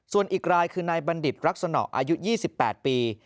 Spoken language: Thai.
ส่วนอีกรายคือนายบัณฑิตรักษณะอายุ๒๘ปี